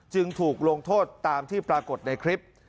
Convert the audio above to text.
จึงถูกลงโทษตามที่ปรากฏในคลิป